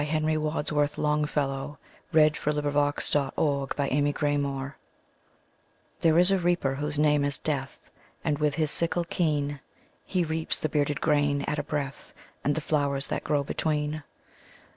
Henry Wadsworth Longfellow The Reaper And The Flowers THERE is a Reaper whose name is Death, And, with his sickle keen, He reaps the bearded grain at a breath, And the flowers that grow between.